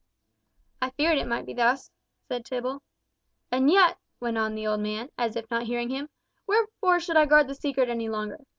"I feared it might be thus," said Tibble. "And yet," went on the old man, as if not hearing him, "wherefore should I guard the secret any longer?